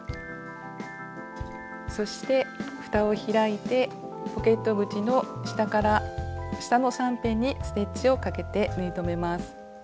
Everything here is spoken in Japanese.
そしてふたを開いてポケット口の下の３辺にステッチをかけて縫い留めます。